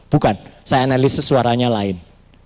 bukan saya analisis suaranya lain